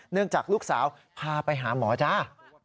จากลูกสาวพาไปหาหมอจ้า